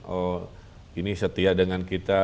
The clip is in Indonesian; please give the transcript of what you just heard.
oh ini setia dengan kita